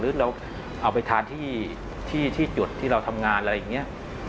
หรือเราเอาไปทานที่จุดที่เราทำงานอะไรอย่างนี้